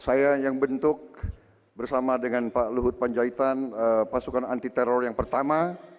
saya yang bentuk bersama dengan pak luhut panjaitan pasukan anti teror yang pertama